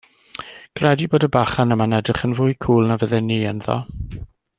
Credu bod y bachan yma'n edrych yn fwy cŵl 'na fydden i ynddo.